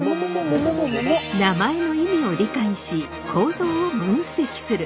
名前の意味を理解し構造を分析する。